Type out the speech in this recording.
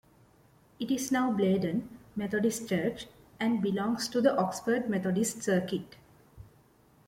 It is now Bladon Methodist Church and belongs to the Oxford Methodist Circuit.